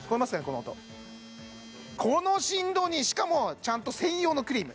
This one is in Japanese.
この音この振動にしかもちゃんと専用のクリーム